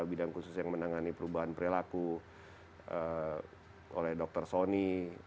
bidang khusus yang menangani perubahan perilaku oleh dokter sony